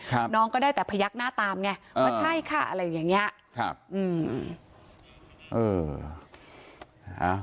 น้องก็ได้แต่พยักหน้าตามไงว่าใช่ค่ะอะไรอย่างเงี้ยครับอืมเอออ่า